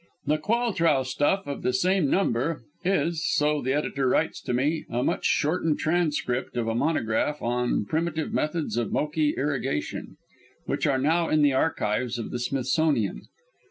The Qualtraugh "stuff" of the same number is, so the editor writes to me, a much shortened transcript of a monograph on "Primitive Methods of Moki Irrigation," which are now in the archives of the Smithsonian.